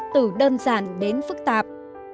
từ đơn giản đến phức tạp